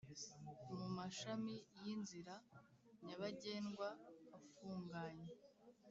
mumashami y’inzira nyabagendwa afunganye